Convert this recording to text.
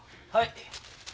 はい。